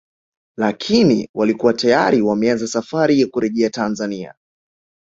Lakini walikuwa tayari wameanza safari ya kurejea Tanzania